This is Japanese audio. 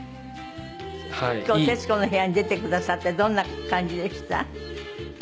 今日『徹子の部屋』に出てくださってどんな感じでした？